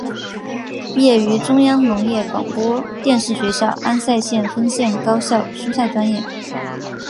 毕业于中央农业广播电视学校安塞县分校高效蔬菜专业。